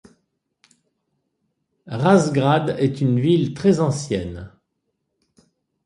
Razgrad est une ville très ancienne.